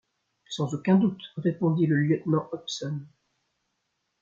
Sans aucun doute, répondit le lieutenant Hobson.